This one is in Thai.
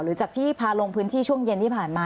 หรือจากที่พาลงพื้นที่ช่วงเย็นที่ผ่านมา